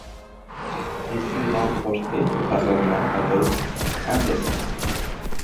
Il fut remporté par l'Allemand Adolf Anderssen.